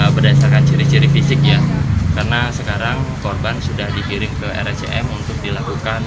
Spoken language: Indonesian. berdasarkan ciri ciri fisik ya karena sekarang korban sudah dikirim ke rscm untuk dilakukan